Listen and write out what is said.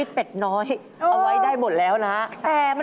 อีกแล้วอีกแล้ว